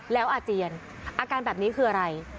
แล้วอาเจียนอาการแบบนี้คืออะไร